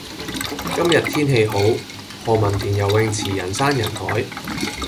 今日天氣好，何文田游泳池人山人海。